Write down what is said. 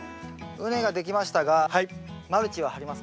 畝が出来ましたがマルチは張りますか？